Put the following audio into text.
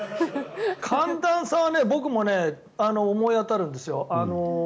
寒暖差は僕も思い当たるんですよ。